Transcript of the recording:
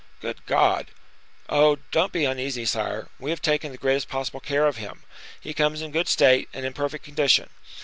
"Good God!" "Oh! don't be uneasy, sire, we have taken the greatest possible care of him. He comes in good state, and in perfect condition.